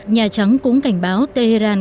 nhà trắng cũng cảnh báo tehran